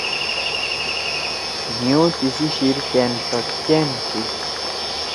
مھی او تیِسی شیِر کأن پہ کأن تھی۔